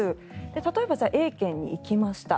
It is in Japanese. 例えば、Ａ県に行きました。